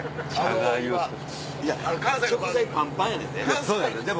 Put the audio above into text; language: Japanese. いや食材パンパンやねんで。